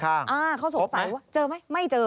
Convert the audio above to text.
แล้วก็สงสัยว่าเจอไหมไม่เจอ